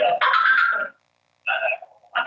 agar jenderaan bus itu akan